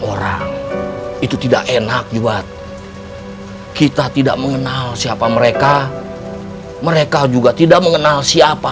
orang itu tidak enak juga kita tidak mengenal siapa mereka mereka juga tidak mengenal siapa